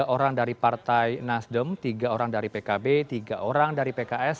tiga orang dari partai nasdem tiga orang dari pkb tiga orang dari pks